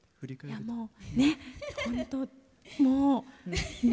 もう、本当、もうね。